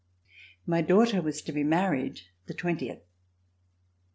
My daughter was to be married the twentieth.